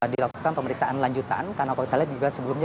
dilakukan pemeriksaan lanjutan karena kalau kita lihat juga sebelumnya